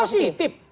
bukan versi positif